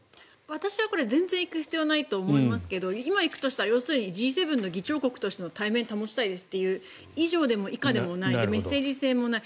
私はこれ、全然行く必要はないと思いますけど今行くとしたら要するにＧ７の議長国としての体面を保ちたいですという以上でも以下でもないメッセージ性もない。